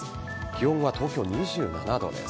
気温は東京２７度です。